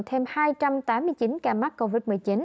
thêm hai trăm tám mươi chín ca mắc covid một mươi chín